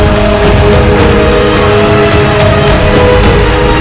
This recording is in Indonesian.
dharma terhari hari dan